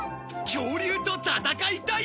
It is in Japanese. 「恐竜と戦いたい」